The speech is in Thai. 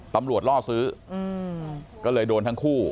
ตำรวจล่อซื้อก็เลยโดนทั้งคู่